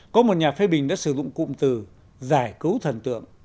có một nhà phê bình đã sử dụng cụm từ giải cứu thần tượng